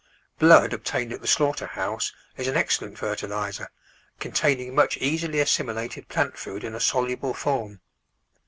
Blood obtained at the slaughter house is an excellent fertil iser, containing much easily assimilated plant food in a soluble form.